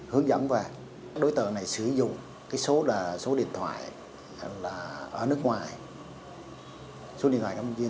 hướng dẫn về đối tượng này sử dụng số điện thoại ở nước ngoài